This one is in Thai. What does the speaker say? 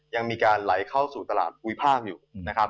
ยังมีการไหลเข้าสู่ตลาดภูมิภาคอยู่นะครับ